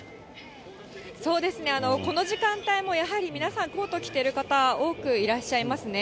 そうですね、この時間帯もやはり皆さん、コート着てる方、多くいらっしゃいますね。